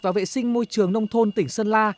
và vệ sinh môi trường nông thôn tỉnh sơn la